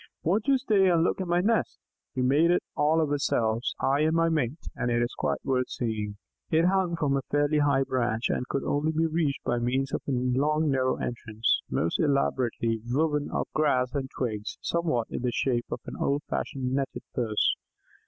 Won't you stay and look at my nest? We made it all ourselves, I and my mate, and it is quite worth seeing." It hung from a fairly high branch, and could only be reached by means of a long narrow entrance, most elaborately woven of grass and twigs, somewhat in the shape of an old fashioned netted purse.